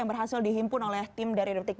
yang berhasil dihimpun oleh tim dari realpolitik com